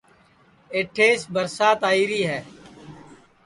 ایٹھیس برسات آئیری ہے